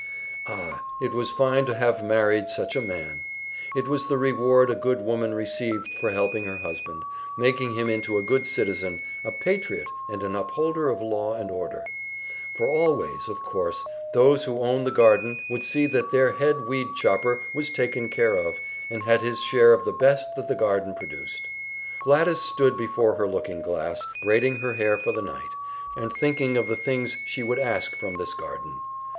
Ah, it was fine to have married such a man! It was the reward a good woman received for helping her husband, making him into a good citizen, a patriot and an upholder of law and order: For always, of course, those who own the garden would see that their head weedchopper was taken care of, and had his share of the best that the garden produced. Gladys stood before her looking glass, braiding her hair for the night, and thinking of the things she would ask from this garden.